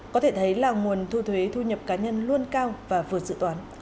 có thể thấy là nguồn thu thuế thu nhập cá nhân luôn cao và phát triển